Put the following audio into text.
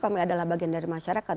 kami adalah bagian dari masyarakat